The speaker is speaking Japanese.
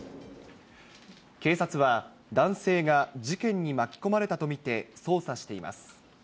警察は、男性が事件に巻き込まれたと見て、捜査しています。